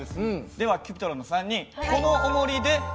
ではＣｕｐｉｔｒｏｎの３人。